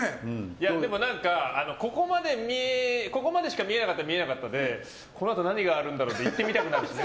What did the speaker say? でも、ここまでしか見えなかったら見えなかったでこのあと何があるんだろうって行ってみたくなるね。